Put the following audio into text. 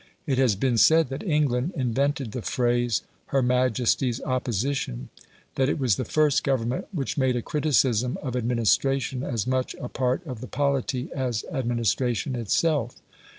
It has been said that England invented the phrase, "Her Majesty's Opposition"; that it was the first Government which made a criticism of administration as much a part of the polity as administration itself.